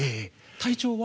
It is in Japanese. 体調は？